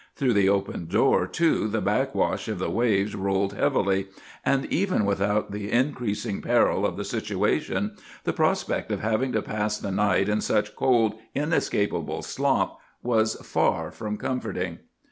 Through the open door, too, the back wash of the waves rolled heavily; and even without the increasing peril of the situation, the prospect of having to pass the night in such cold, inescapable slop was far from comforting.